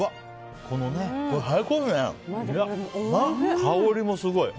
香りもすごい。